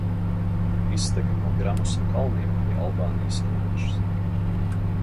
Izteka no Gramosa kalniem pie Albānijas robežas.